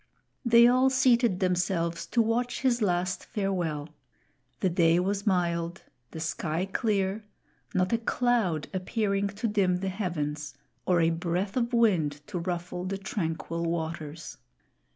They all seated themselves to watch his last farewell. The day was mild, the sky clear, not a cloud appearing to dim the heavens, or a breath of wind to ruffle the tranquil waters.